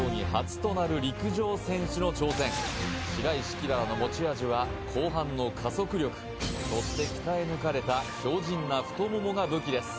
黄良々の持ち味は後半の加速力そして鍛え抜かれた強靭な太ももが武器です